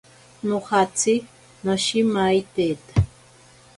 Nojatsi noshimaiteta.